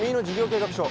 計画書